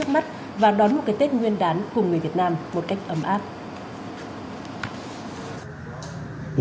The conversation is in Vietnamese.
một cách ấm áp